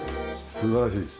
素晴らしいです。